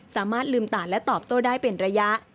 สามารถลืมตาและตอบโต้ได้เป็นระยะ